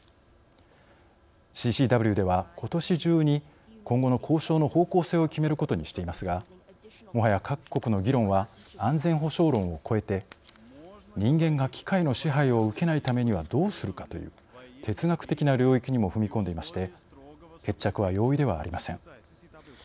ＣＣＷではことし中に今後の交渉の方向性を決めることにしていますがもはや各国の議論は安全保障論をこえて人間が機械の支配を受けないためにはどうするかという哲学的な領域にも踏み込んでいまして決着は容易ではありません。